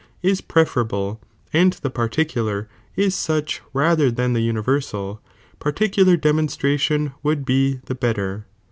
ia preferable, and the particular is ■uoli rather than the universal, particular demonstration would be the better.